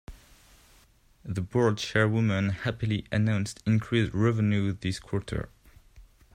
The board chairwoman happily announced increased revenues this quarter.